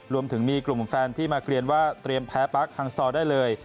รวมถึงมีกลุ่มแฟนที่มาเกลียนว่าเตรียมแพ้ปาร์คฮังซอร์ได้เลย